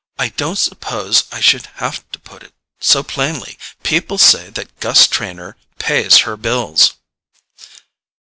"I didn't suppose I should have to put it so plainly. People say that Gus Trenor pays her bills."